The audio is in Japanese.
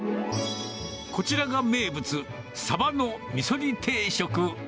こちらが名物、サバの味噌煮定食。